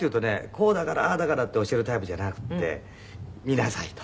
「こうだからああだから」って教えるタイプじゃなくて見なさいと。